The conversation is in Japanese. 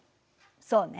そうね。